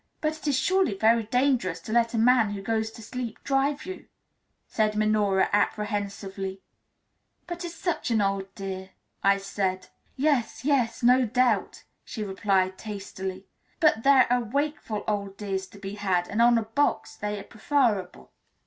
"But it is surely very dangerous to let a man who goes to sleep drive you," said Minora apprehensively. "But he's such an old dear," I said. "Yes, yes, no doubt," she replied tastily; "but there are wakeful old dears to be had, and on a box they are preferable."